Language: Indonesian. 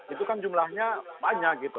itu kan jumlahnya banyak gitu